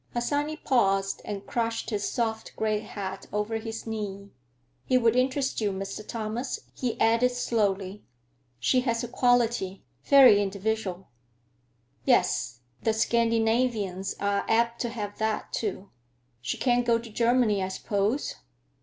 Harsanyi paused and crushed his soft gray hat over his knee. "She would interest you, Mr. Thomas," he added slowly. "She has a quality—very individual." "Yes; the Scandinavians are apt to have that, too. She can't go to Germany, I suppose?"